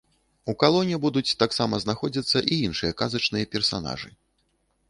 У калоне будуць таксама знаходзіцца і іншыя казачныя персанажы.